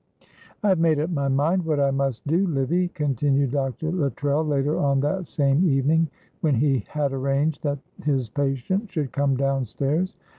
"I have made up my mind what I must do, Livy," continued Dr. Luttrell later on that same evening, when he had arranged that his patient should come downstairs.